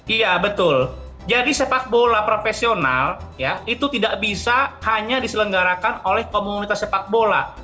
iya betul jadi sepak bola profesional ya itu tidak bisa hanya diselenggarakan oleh komunitas sepak bola